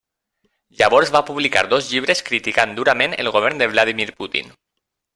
Llavors va publicar dos llibres criticant durament el govern de Vladímir Putin.